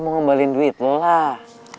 lo mau ngembalin duit lo lah